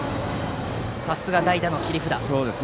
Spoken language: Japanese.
さすが代打の切り札。